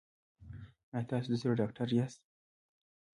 ایا تاسو د زړه ډاکټر یاست؟